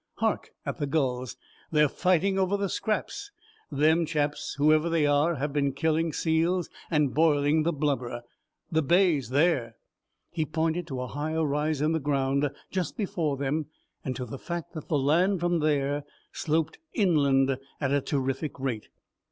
"Hark at the gulls, they're fighting over the scraps. Them chaps, whoever they are, have been killing seals and boiling the blubber. The bay's there." He pointed to a higher rise in the ground just before them and to the fact that the land from there sloped down inland at a terrific rate.